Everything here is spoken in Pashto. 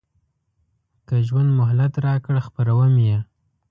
که ژوند مهلت راکړ خپروم یې.